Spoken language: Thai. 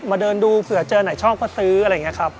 เดินดูเผื่อเจอไหนชอบก็ซื้ออะไรอย่างนี้ครับ